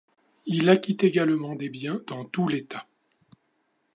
Il acquit également des biens dans tout l'État.